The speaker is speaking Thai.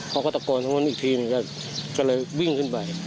พอก็ตะโกนทั้งนั้นอีกทีก็เลยวิ่งขึ้นไป